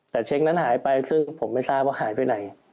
แต่เช็คนั้นหายไปซึ่งผมไม่ทราบว่าหายไปไหน